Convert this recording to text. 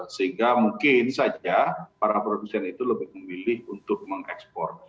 sehingga mungkin saja para produsen itu lebih memilih untuk mengekspor